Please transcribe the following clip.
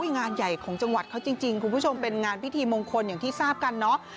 งานใหญ่ของจังหวัดเขาจริงคุณผู้ชมเป็นงานพิธีมงคลอย่างที่ทราบกันเนาะ